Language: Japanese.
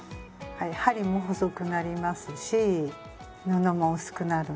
はい針も細くなりますし布も薄くなるので。